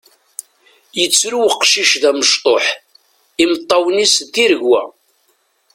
Yettru uqcic d amecṭuḥ, imeṭṭawen-is d tiregwa.